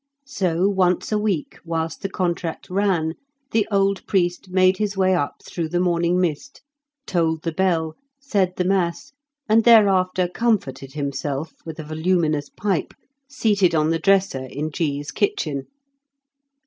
So once a week, whilst the contract ran, the old priest made his way up through the morning mist, tolled the bell, said the mass, and thereafter comforted himself with a voluminous pipe seated on the dresser in G.'s kitchen.